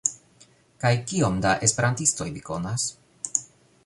Kaj kiom da esperantistoj vi konas?